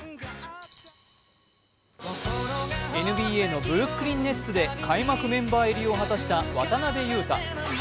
ＮＢＡのブルックリン・ネッツで開幕メンバー入りを果たした渡邊雄太。